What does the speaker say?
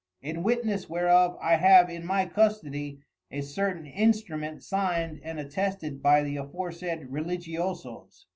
In Witness whereof I have in my custody, a certain Instrument Signed and Attested by the aforesaid Religioso's.